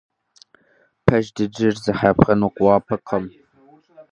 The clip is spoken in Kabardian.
Пэж дыджыр зэхэпхыну гуапэкъым.